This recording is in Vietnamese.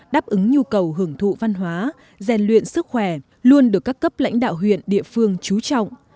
đáp ứng nhu cầu hưởng thụ văn hóa rèn luyện sức khỏe luôn được các cấp lãnh đạo huyện địa phương trú trọng